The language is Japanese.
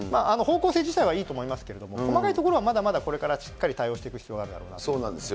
ほうこうせいじたいはいいとおもいますけども細かいところはまだまだこれからしっかり対応していく必要があるだろうなと。